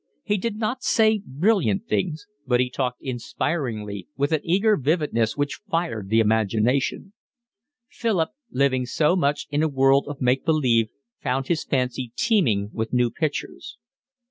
He did not say brilliant things, but he talked inspiringly, with an eager vividness which fired the imagination; Philip, living so much in a world of make believe, found his fancy teeming with new pictures.